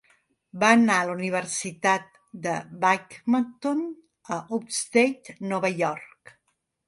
Va anar a la Universitat de Binghmaton, a Upstate, Nova York.